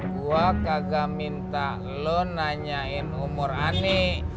gue kagak minta lo nanyain umur ani